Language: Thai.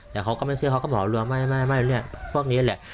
แต่เขาก็ไม่เชื่อเขาก็บอกเรือไม่พวกนี้แหละ